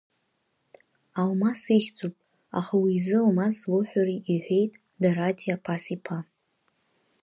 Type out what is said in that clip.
Алмас ихьӡуп, аха уи изы Алмас злоуҳәари иҳәеит Дараҭиа Пас-иԥа.